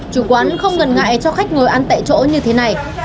chủ quán không ngần ngại cho khách ngồi ăn tại chỗ như thế này